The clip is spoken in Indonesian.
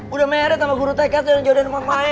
udah married sama guru tkt yang jodohin sama kumahnya